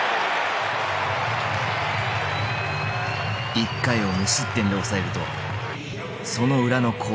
１回を無失点で抑えるとその裏の攻撃。